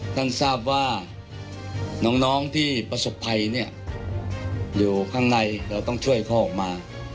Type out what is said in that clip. ท่านทราบว่าน้องที่ประสบภัยเนี่ยอยู่ข้างในเราต้องช่วยเขาออกมา